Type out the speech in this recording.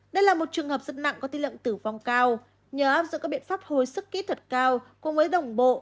đây là một trường hợp rất nặng có tỷ lệ tử vong cao nhờ áp dụng các biện pháp hồi sức kỹ thuật cao cùng với đồng bộ